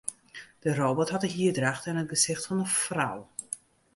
De robot hat de hierdracht en it gesicht fan in frou.